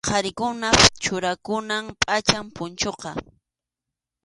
Qharikunap churakunan pʼacham punchuqa.